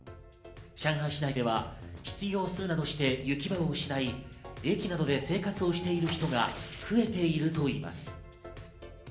上海市内では、失業をするなどして行き場を失い、駅などで生活をしている人が増えているといいます。